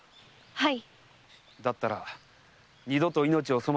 はい。